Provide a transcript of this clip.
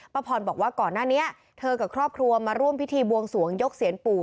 พรบอกว่าก่อนหน้านี้เธอกับครอบครัวมาร่วมพิธีบวงสวงยกเสียนปู่